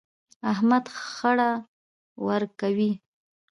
احمد خړه ورکوي.